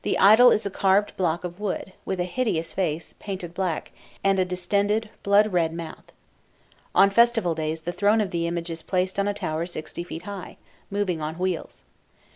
The idol is a carved block of wood, with a hideous face, painted black, and a distended blood red mouth. On festival days the throne of the image is placed on a tower sixty feet high, moving on wheels.